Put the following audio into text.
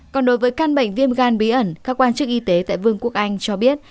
còn đối với căn bệnh viêm gan bí ẩn các quan chức y tế tại vương quốc anh cho biết